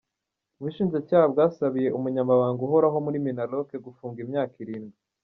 Ubushinjacyaha bwasabiye Umunyabanga Uhoraho muri Minaloke, gufungwa imyaka irindwi